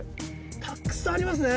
たくさんありますね。